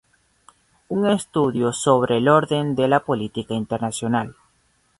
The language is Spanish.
Un estudio sobre el orden en la política internacional".